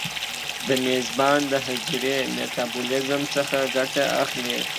د میزبان د حجرې میتابولیزم څخه ګټه اخلي.